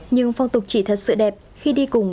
nhưng phong tục chỉ thật sự đẹp khi đi cùng